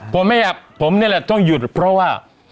ผมไม่อยากผมนี่แหละต้องหยุดเพราะว่า